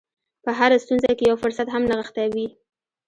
په هره ستونزه کې یو فرصت هم نغښتی وي